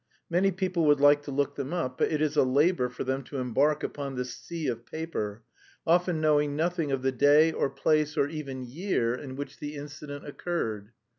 Many people would like to look them up, but it is a labour for them to embark upon this sea of paper, often knowing nothing of the day or place or even year in which the incident occurred.